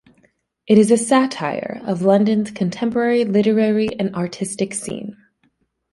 It is a satire of London's contemporary literary and artistic scene.